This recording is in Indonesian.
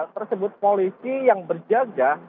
tersebut polisi yang berjaga